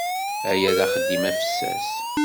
Aya d axeddim afessas.